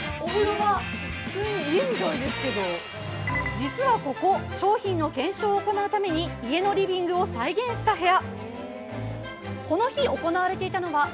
実はここ、商品の検証を行うために家のリビングを再現した部屋。